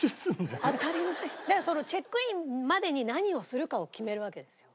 だからそのチェックインまでに何をするかを決めるわけですよ。